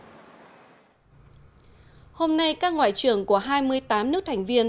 hôm nay các ngoại trưởng của hai mươi tám nước thành viên